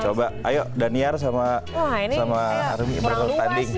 coba ayo daniar sama remy berdua tanding